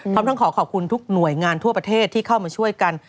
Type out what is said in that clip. พร้อมทั้งขอขอบคุณทุกหน่วยงานทั่วประเทศที่เข้ามาช่วยกัน